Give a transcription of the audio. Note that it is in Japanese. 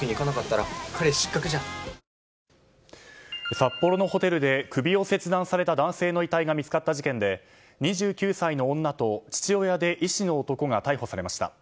札幌のホテルで首を切断された男性の遺体が見つかった事件で２９歳の女と父親で医師の男が逮捕されました。